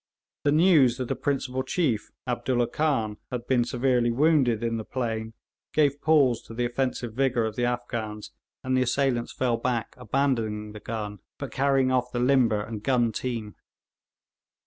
The news that a principal chief, Abdoolah Khan, had been severely wounded in the plain gave pause to the offensive vigour of the Afghans, and the assailants fell back, abandoning the gun, but carrying off the limber and gun team.